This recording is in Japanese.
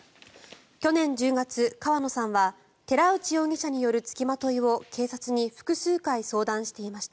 去年１０月、川野さんは寺内容疑者による付きまといを警察に複数回相談していました。